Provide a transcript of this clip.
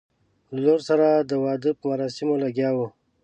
له لور سره د واده په مراسمو لګیا وو.